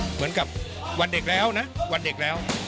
เหมือนกับวันเด็กแล้วนะวันเด็กแล้ว